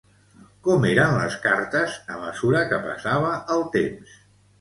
Com eren les cartes a mesura que passava el temps?